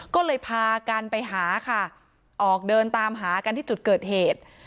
ก็เลยพากันไปหาค่ะออกเดินตามหากันที่จุดเกิดเหตุ